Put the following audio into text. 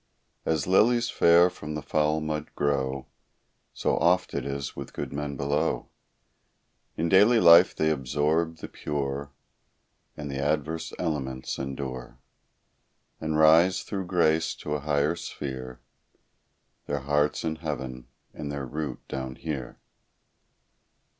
As lilies fair from the foul mud grow, So oft it is with good men below; In daily life they absorb the pure, And the adverse elements endure; And rise, through grace, to a higher sphere, Their hearts in heaven, and their root down here.